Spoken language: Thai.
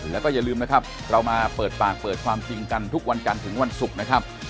แล้วก็อย่าลืมนะครับเรามาเปิดปากเปิดความจริงกันทุกวันจันทร์ถึงวันศุกร์นะครับ